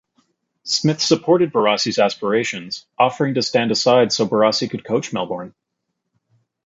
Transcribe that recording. Smith supported Barassi's aspirations, offering to stand aside so Barassi could coach Melbourne.